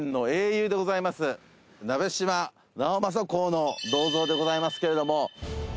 鍋島直正公の銅像でございますけれども。